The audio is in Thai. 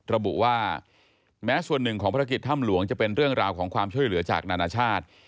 ระบุว่าแม้ส่วนหนึ่งของภารกิจถ้ำหลวงจะเป็นเรื่องราวของความช่วยเหลือจากนานาชาติ